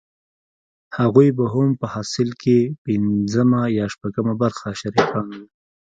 هغوې به هم په حاصل کښې پينځمه يا شپږمه برخه شريکان وو.